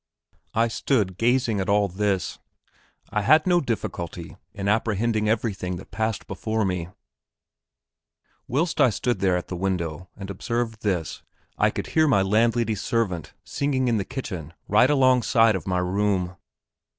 I stood gazing at all this; I had no difficulty in apprehending everything that passed before me. Whilst I stood there at the window and observed this, I could hear my landlady's servant singing in the kitchen right alongside of my room.